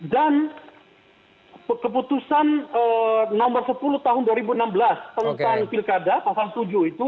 dan keputusan nomor sepuluh tahun dua ribu enam belas tentang pilkada pasal tujuh itu